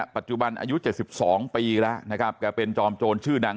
ปัจจุบันอายุ๗๒ปีแล้วนะครับแกเป็นจอมโจรชื่อดัง